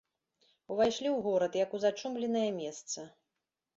Увайшлі ў горад, як у зачумленае месца.